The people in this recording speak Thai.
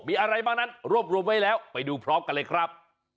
มีอะไรบ้างนั้นรวบรวมไว้แล้วไปดูพร้อมกันเลยครับ